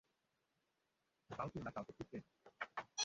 কাউকে না কাউকে ঠিক পেয়ে যাবো।